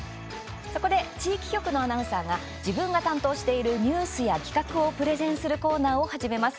そこで、地域局のアナウンサーが自分が担当しているニュースや企画をプレゼンするコーナーを始めます。